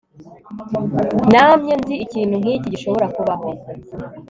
namye nzi ikintu nkiki gishobora kubaho